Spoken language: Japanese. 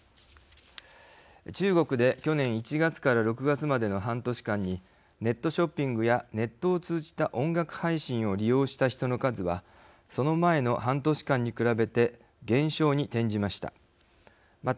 中国で去年１月から６月までの半年間にネットショッピングやネットを通じた音楽配信を利用した人の数はその前の半年間に比べて減少に転じました。